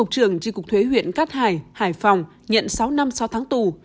trưởng tri cục thuế huyện cát hải hải phòng nhận sáu năm sau tháng tù